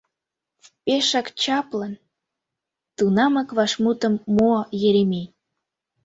Пешак чаплын... — тунамак вашмутым муо Еремей.